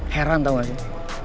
heran tau gak sih